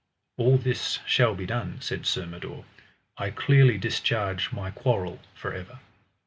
All this shall be done, said Sir Mador, I clearly discharge my quarrel for ever.